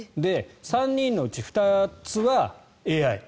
３人のうち２つはＡＩ。